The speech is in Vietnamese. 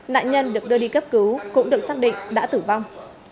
nạn nhân được đưa đi cấp cứu cũng được xác định đã tử vong